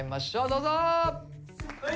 どうぞ！